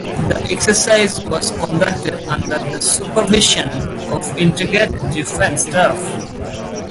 The exercise was conducted under the supervision of Integrated Defence Staff.